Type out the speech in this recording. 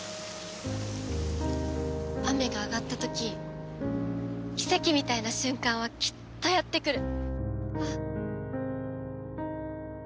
雨が上がった時奇跡みたいな瞬間はきっとやって来る！